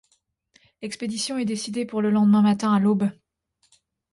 L'expédition est décidée pour le lendemain matin à l'aube.